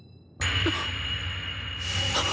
あっ！